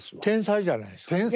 天才じゃないですか。